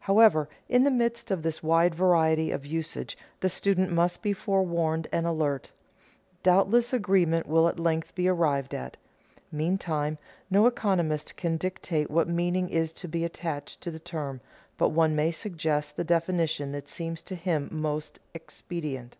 However, in the midst of this wide variety of usage the student must be forewarned and alert. Doubtless agreement will at length be arrived at. Meantime, no economist can dictate what meaning is to be attached to the term, but one may suggest the definition that seems to him most expedient.